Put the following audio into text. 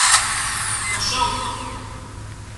Ta chambre.